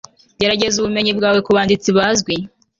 gerageza ubumenyi bwawe kubanditsi bazwi